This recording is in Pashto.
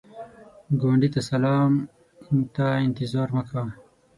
ګاونډي ته سلام ته انتظار مه کوه